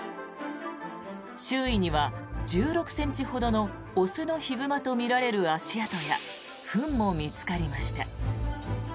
周囲には１６ｃｍほどの雄のヒグマとみられる足跡やフンも見つかりました。